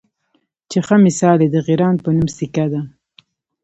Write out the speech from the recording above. چې ښۀ مثال یې د غران پۀ نوم سیکه ده